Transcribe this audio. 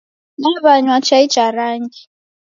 Naw'anywa chai cha rangi.